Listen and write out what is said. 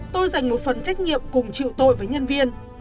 tôi dành một phần trách nhiệm cùng chịu tội với nhân viên